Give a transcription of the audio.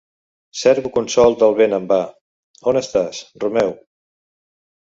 "Cerco consol del vent en va... On estàs, Romeu?".